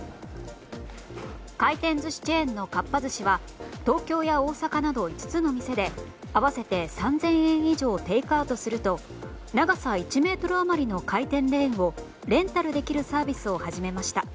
回転寿司チェーンのかっぱ寿司は、東京や大阪など５つの店で合わせて３０００円以上テイクアウトすると長さ１ｍ余りの回転レーンをレンタルできるサービスを始めました。